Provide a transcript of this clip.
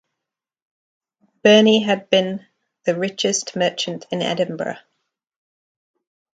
Birnie had been the richest merchant in Edinburgh.